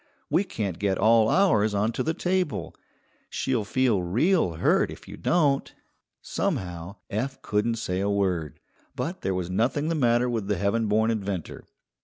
We can't get all ours onto the table. She'll feel real hurt if you don't." Somehow Eph couldn't say a word, but there was nothing the matter with the heaven born inventor.